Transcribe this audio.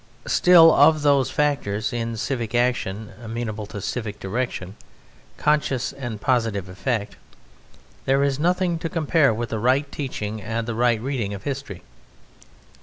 Still, of those factors in civic action amenable to civic direction, conscious and positively effective, there is nothing to compare with the right teaching and the right reading of history.